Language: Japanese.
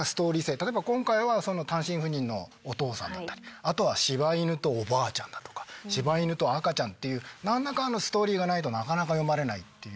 例えば今回は単身赴任のお父さんだったりあとは柴犬とおばあちゃんだとか柴犬と赤ちゃんっていう何らかのストーリーがないとなかなか読まれないっていう。